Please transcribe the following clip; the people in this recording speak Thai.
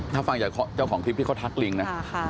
ถ้าฟังอยากเขาเจ้าของทิพย์ที่เขาทักลิงนะ